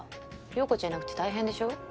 葉子ちゃんいなくて大変でしょ？